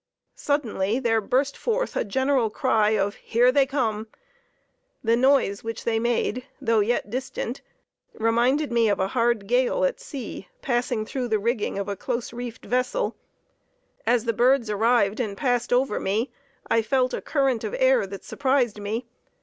Suddenly there burst forth a general cry of "Here they come!" The noise which they made, though yet distant, reminded me of a hard gale at sea passing through the rigging of a close reefed vessel. As the birds arrived and passed over me, I felt a current of air that surprised me.